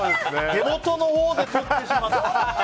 手元のほうで取ってしまった！